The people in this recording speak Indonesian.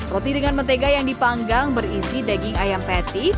roti dengan mentega yang dipanggang berisi daging ayam patty